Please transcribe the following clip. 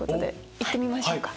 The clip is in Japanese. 行ってみましょうか。